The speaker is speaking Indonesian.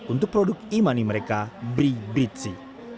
untuk produk e money mereka bri bridze